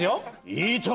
いいとも！